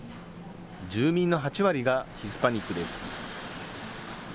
住民の８割がヒスパニックです。